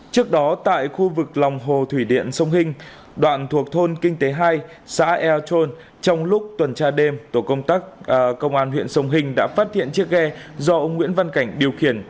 trước đó tại khu vực lòng hồ thủy điện sông hinh đoạn thuộc thôn kinh tế hai xã eo trôn trong lúc tuần tra đêm tổ công tác công an huyện sông hinh đã phát hiện chiếc ghe do ông nguyễn văn cảnh điều khiển